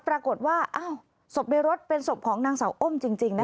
ปรากฏว่าอ้าวศพในรถเป็นศพของนางสาวอ้มจริง